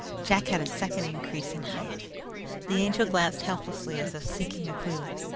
Jack had a second increase in height. The Angel glanced helplessly as if seeking a clue.